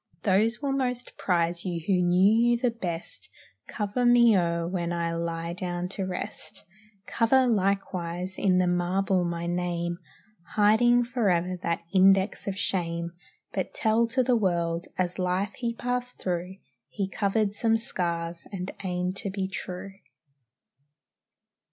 Those will most prize you who knew you the best. Cover me o'er when I lie down to rest; Cover, likewise, in the marble my name, Hiding forever that index of shame; But tell to the world, "as life he passed through, He covered some scars and aimed to be true."